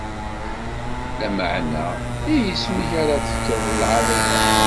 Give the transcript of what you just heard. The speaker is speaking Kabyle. Lameɛna i yisem-ik ara tefkeḍ lɛaḍima.